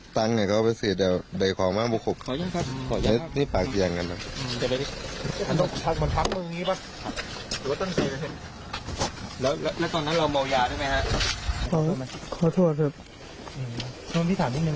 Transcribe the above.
แต่คาดส่วนตอนนี้เพื่อให้เรียกสิ่งทางไม่เห็น